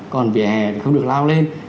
còn vỉa hè thì không được lao lên